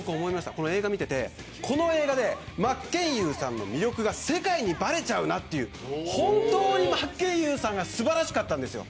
この映画を見ていてこの映画で真剣佑さんの魅力が世界にばれちゃうなと本当に真剣佑さんが素晴らしかったんですよ。